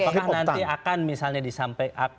apakah nanti akan misalnya disampaikan